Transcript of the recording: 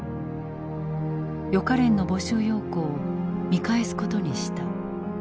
予科練の募集要項を見返すことにした。